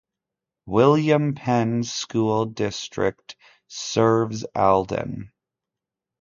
William Penn School District serves Aldan.